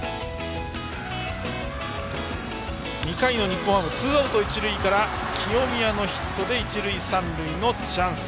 ２回の日本ハムツーアウト一塁から清宮のヒットで一塁三塁のチャンス。